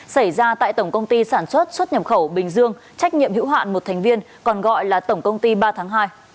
xảy ra tại tổng công ty sản xuất xuất nhập khẩu bình dương trách nhiệm hữu hạn một thành viên còn gọi là tổng công ty ba tháng hai